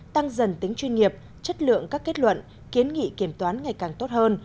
tăng dần tính chuyên nghiệp chất lượng các kết luận kiến nghị kiểm toán ngày càng tốt hơn